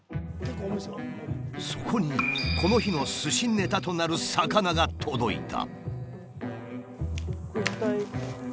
そこにこの日のすしネタとなる魚が届いた。